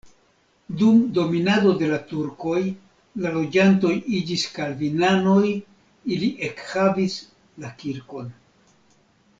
Dum dominado de la turkoj la loĝantoj iĝis kalvinanoj, ili ekhavis la kirkon.